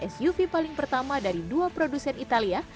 suv paling pertama dari dua produsen italia